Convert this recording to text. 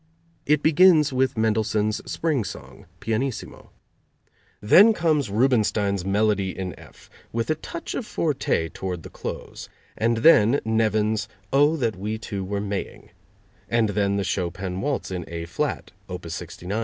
It begins with Mendelssohn's Spring Song, pianissimo. Then comes Rubinstein's Melody in F, with a touch of forte toward the close, and then Nevin's "Oh, That We Two Were Maying" and then the Chopin waltz in A flat, Opus 69, No.